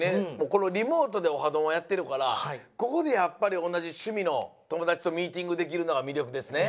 このリモートで「オハどん！」をやってるからここでやっぱりおなじしゅみのともだちとミーティングできるのがみりょくですね。